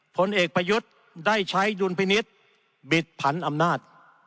ผลเอกประยุทธ์ได้ใช้ดุลพินิษฐ์บิดผันอำนาจ